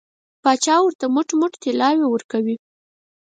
پاچا ورته موټ موټ طلاوې ورکوي.